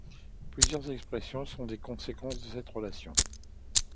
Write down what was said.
Plusieurs expressions sont des conséquences de cette relation.